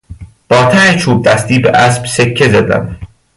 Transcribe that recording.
با ته چوبدستی به اسب سکه زدم.